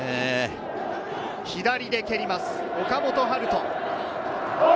左で蹴ります、岡本温叶。